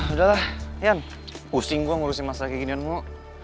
udah lah yan pusing gue ngurusin masalah kayak ginian mulu